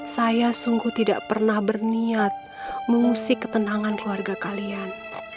saya sungguh tidak pernah berniat mengusik ketenangan keluarga kalian